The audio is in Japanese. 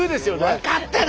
分かってる！